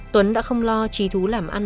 tuấn đã không lo trí thú làm ăn